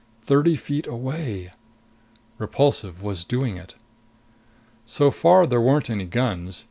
Thirty feet away! Repulsive was doing it. So far there weren't any guns.